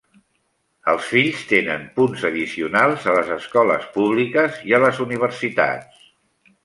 Els fills tenen punts addicionals a les escoles públiques i a les universitats.